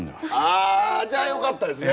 あじゃあよかったですね。